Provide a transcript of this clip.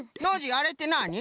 あれってなに？